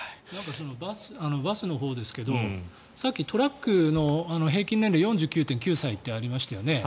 バスのほうですけどさっきトラックの平均年齢４９．９歳とありましたよね。